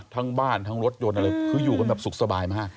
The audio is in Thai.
ทั้งบ้านทั้งรถยนต์อะไรคืออยู่กันแบบสุขสบายมาก